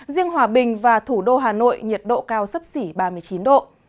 riêng hòa bình và thủ đô hà nội nhiệt độ cao sấp xỉ ba mươi chín độ